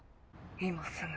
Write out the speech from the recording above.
今すぐ。